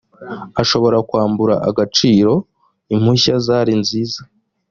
ashobora kwambura agaciro impushya zari nziza